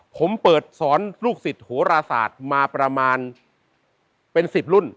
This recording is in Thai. ผมเปิดสอนลูกศิษย์โหราศาสตร์มาประมาณเป็น๑๐รุ่น